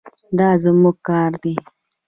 دا زموږ کار دی.